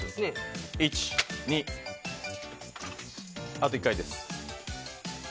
あと１回です。